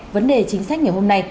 vấn đề chính sách ngày hôm nay